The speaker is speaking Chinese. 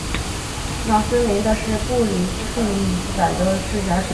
蕨森林是个布里斯本新近发展的市辖区。